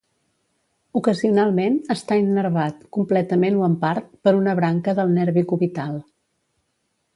Ocasionalment està innervat, completament o en part, per una branca del nervi cubital.